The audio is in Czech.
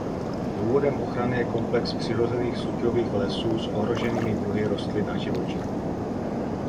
Důvodem ochrany je komplex přirozených suťových lesů s ohroženými druhy rostlin a živočichů.